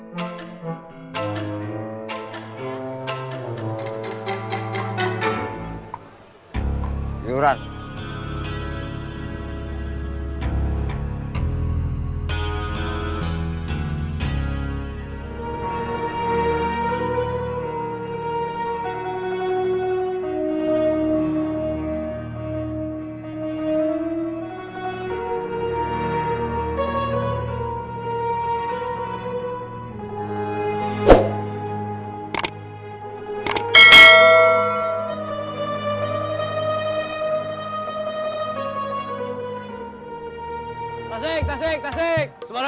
lagi setengah hari